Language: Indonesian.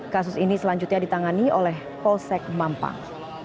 kasus ini selanjutnya ditangani oleh polsek mampang